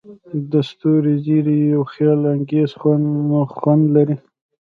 د ستورو زیرۍ یو خیالانګیز خوند لري.